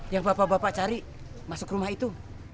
yang bapak bapak cari masuk rumah itu